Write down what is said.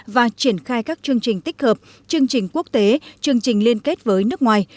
và triển khai các chương trình tích hợp chương trình quốc tế chương trình liên kết với nước ngoài